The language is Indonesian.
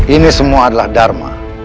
ini semua adalah dharma